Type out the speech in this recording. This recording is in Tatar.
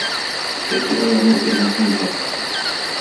Тәки айгырны үтергәнсең икән.